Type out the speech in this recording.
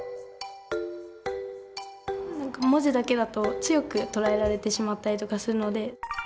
文字だけだと強く捉えられてしまったりとかするので。